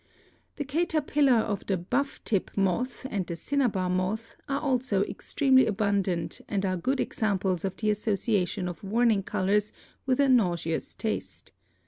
The caterpillar of the Buff tip Moth and the Cinnabar Moth are also extremely abundant and are good examples of the association of Warning Colors with a nauseous taste.